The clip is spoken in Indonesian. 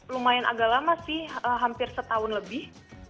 lumayan agak lama sih hampir setahun lebih